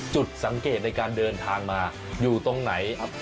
จุดสังเกตในการเดินทางมาอยู่ตรงไหนครับ